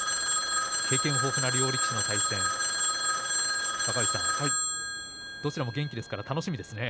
経験豊富な両力士の対戦どちらも元気ですから楽しみですね。